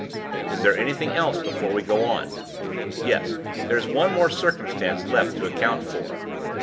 Is there anything else before we go on? Yes; there is one more circumstance left to account for."